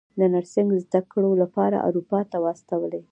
د نرسنګ زده کړو لپاره اروپا ته واستولې.